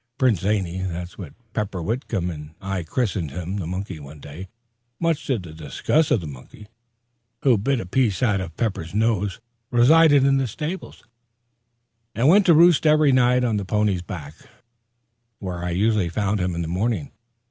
Prince Zany that's what Pepper Whitcomb and I christened him one day, much to the disgust of the monkey, who bit a piece out of Pepper's nose resided in the stable, and went to roost every night on the pony's back, where I usually found him in the morning.